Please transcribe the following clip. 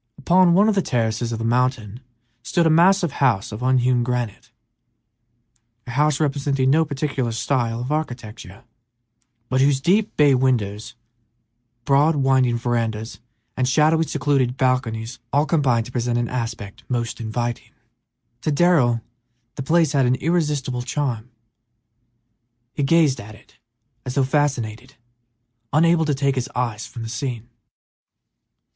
Upon one of the terraces of the mountain stood a massive house of unhewn granite, a house representing no particular style of architecture, but whose deep bay windows, broad, winding verandas, and shadowy, secluded balconies all combined to present an aspect most inviting. To Darrell the place had an irresistible charm; he gazed at it as though fascinated, unable to take his eyes from the scene.